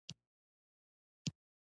دغه حالت خلک ډېر په تنګ کړي و.